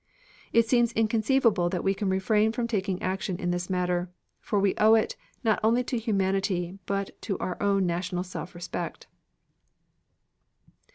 "It seems inconceivable that we can refrain from taking action in this matter, for we owe it not only to humanity, but to our own national self respect."